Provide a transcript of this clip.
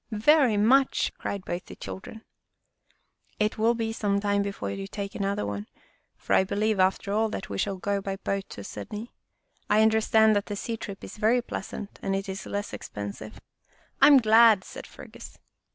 "" Very much," cried both of the children. " It will be some time before you take another one, for I believe after all that we shall go by boat to Sydney. I understand that the sea trip is very pleasant and it is less expensive. "" I am glad," said Fergus.